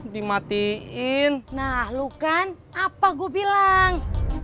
dimatiin nah lu kan apa gue bilang